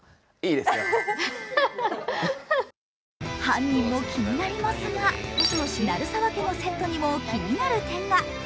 犯人も気になりますが、鳴沢家のセットにも気になる点が。